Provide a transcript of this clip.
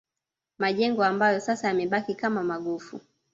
Majengo ambayo sasa yamebaki kama magofu